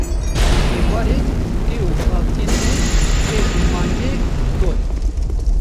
Êvarê dê û xaltiyên me pez û mangê didotin